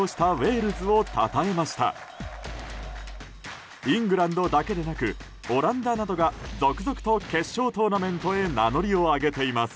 イングランドだけでなくオランダなどが続々と決勝トーナメントへ名乗りを上げています。